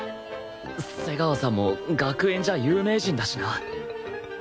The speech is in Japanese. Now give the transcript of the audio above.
瀬川さんも学園じゃ有名人だしな